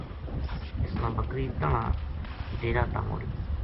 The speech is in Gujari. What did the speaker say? اس نا بکری تنہاں ڈیرا تا موڑی